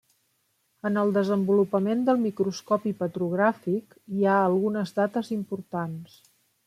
En el desenvolupament del microscopi petrogràfic hi ha algunes dates importants.